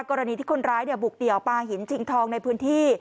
กรณีที่คนร้ายบุกเดี่ยวปลาหินชิงทองในพื้นที่